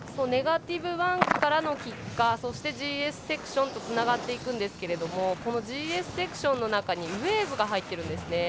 ネガティブバンクからのキッカー、ＧＳセクションとつながっていきますがこのＧＳセクションの中にウエーブが入っているんです。